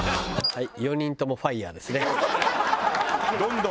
はい。